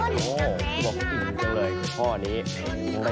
มันเห่ากันด้านมันเห่าจากบ้านไปหางานทำ